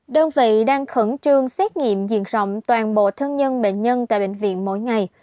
đơn vị đang khẩn trương xét nghiệm diện rộng toàn bộ thân nhân bệnh nhân tại bệnh viện mỗi ngày